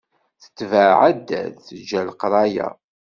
Tetbeε addal, teǧǧa leqraya.